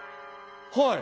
はい。